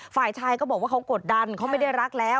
ฝ่ายชายก็บอกว่าเขากดดันเขาไม่ได้รักแล้ว